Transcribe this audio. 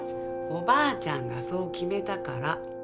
おばあちゃんがそう決めたから。